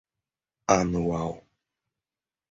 anual